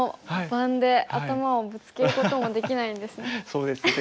そうですね。